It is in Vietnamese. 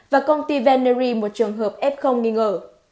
và công ty venury một trường hợp f nghi ngờ